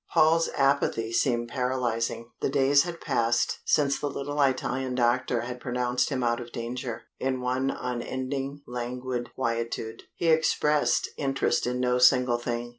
Paul's apathy seemed paralysing. The days had passed, since the little Italian doctor had pronounced him out of danger, in one unending languid quietude. He expressed interest in no single thing.